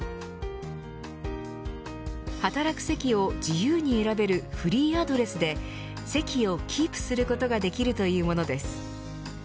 働く席を自由に選べるフリーアドレスで席をキープすることができるというものです。